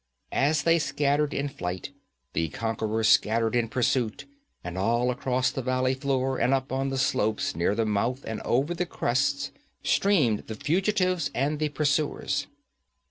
As they scattered in flight, the conquerors scattered in pursuit, and all across the valley floor, and up on the slopes near the mouth and over the crests streamed the fugitives and the pursuers.